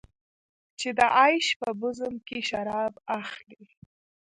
چې د عیش په بزم کې شراب اخلې.